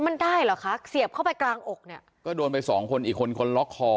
มันได้เหรอคะเสียบเข้าไปกลางอกเนี่ยก็โดนไปสองคนอีกคนคนล็อกคอ